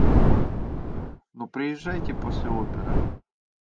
Но приезжайте после оперы.